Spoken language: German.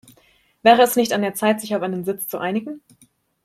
Wäre es nicht an der Zeit, sich auf einen Sitz zu einigen?